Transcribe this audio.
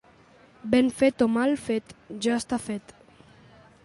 Ben fet o mal fet, ja està fet.